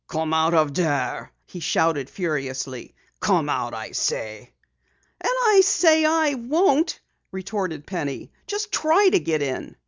"Come out of there!" he shouted furiously. "Come out, I say!" "And I say I won't!" retorted Penny. "Just try to get in!"